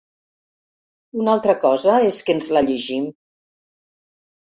Una altra cosa és que ens la llegim.